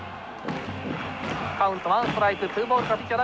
カウントワンストライクツーボールからピッチャー